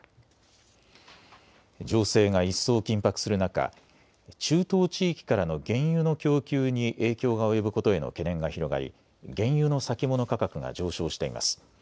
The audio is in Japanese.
情勢が一層緊迫する中、中東地域からの原油の供給に影響が及ぶことへの懸念が広がり原油の先物価格が上昇しています。